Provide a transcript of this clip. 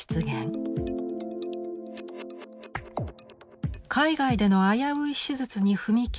海外での危うい手術に踏み切る患者たち。